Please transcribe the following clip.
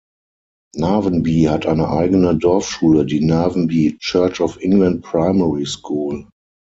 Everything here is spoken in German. Navenby hat eine eigene Dorfschule, die Navenby Church of England Primary School.